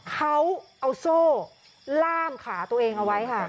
เขาเอาโซ่ล่ามขาตัวเองเอาไว้ค่ะ